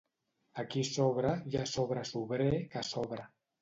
Aquí sobre hi ha sobre sobrer que s'obre.